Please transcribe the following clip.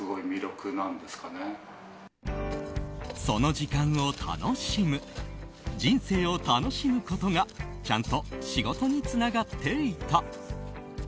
その時間を楽しむ人生を楽しむことがちゃんと仕事につながっていた。